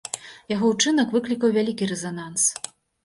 Яго ўчынак выклікаў вялікі рэзананс.